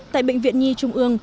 tại bệnh viện nhi trung ương